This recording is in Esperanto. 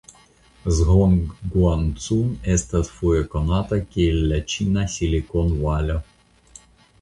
Zhongguancun estas foje konata kiel la "Ĉina Silikonvalo".